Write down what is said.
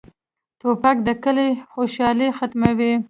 توپک د کلي خوشالي ختموي.